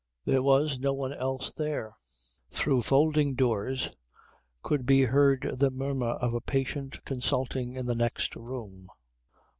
There was no one else there. Through folding doors could be heard the murmur of a patient consulting in the next room.